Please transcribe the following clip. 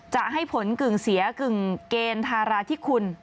จะให้ผลกึ่งเสียกึ่งเกณฑ์ธาราธิคุณ